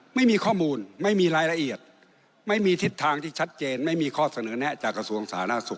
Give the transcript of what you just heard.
ไม่มีข้อมูลไม่มีรายละเอียดไม่มีทิศทางที่ชัดเจนไม่มีข้อเสนอแนะจากกระทรวงสาธารณสุข